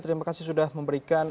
terima kasih sudah memberikan